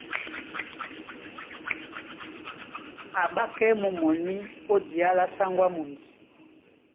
A ́ɓákɛ́ mú mɔní ó diá lá sáŋgó á mundi.